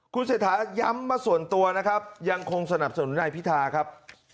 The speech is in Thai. คุณเศรษฐาย้ำมาส่วนตัวนะครับยังคงสนับสนุนนายพิธาครับ